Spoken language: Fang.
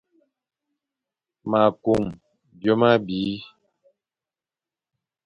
Ma kw byôm abi.